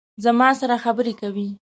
زما سره خبرې کوي